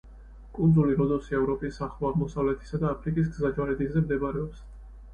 კუნძული როდოსი ევროპის, ახლო აღმოსავლეთისა და აფრიკის გზაჯვარედინზე მდებარეობს.